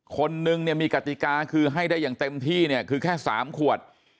คนนึงมีกติกาคือให้ได้อย่างเต็มที่คือแค่๓ขวด